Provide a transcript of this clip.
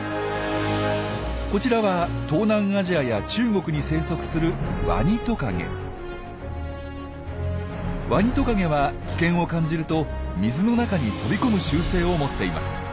こちらは東南アジアや中国に生息するワニトカゲは危険を感じると水の中に飛び込む習性を持っています。